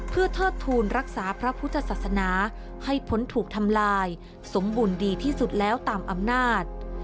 เพื่อเทิดทูลรักษาพระพุทธศาสนาให้พ้นถูกทำลายสมบูรณ์ดีที่สุดแล้วตามอำนาจ